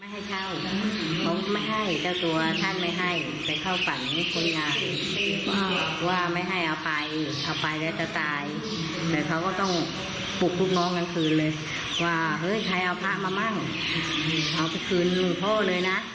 ถ่ายรูปลงไปด้วยแล้วก็เอาลงไปนี่เพราะวันลุ่มขึ้นเทพูลเขาก็เอาลงไปนี่เลย